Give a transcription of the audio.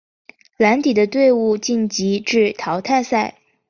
蓝底的队伍晋级至淘汰赛。